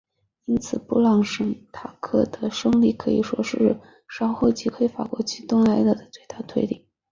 因此布朗什塔克的胜利可以说是稍后击溃法军以及发动加莱围城的最大推力。